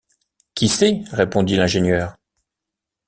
Qui sait! répondit l’ingénieur.